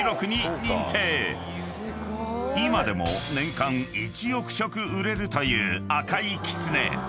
［今でも年間１億食売れるという赤いきつね］